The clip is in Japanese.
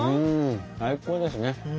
最高ですね。